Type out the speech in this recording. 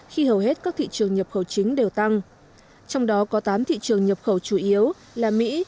khi hầu hết các thị trường nhập khẩu chính đều tăng trong đó có tám thị trường nhập khẩu chủ yếu là mỹ